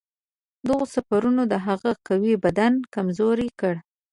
دغو سفرونو د هغه قوي بدن کمزوری کړ.